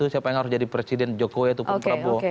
siapa yang harus jadi presiden jokowi atau pak prabowo